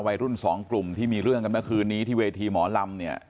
วัยรุ่นสองกลุ่มที่มีเรื่องกันเมื่อคืนนี้ที่เวทีหมอลำเนี่ย